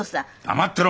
黙ってろ！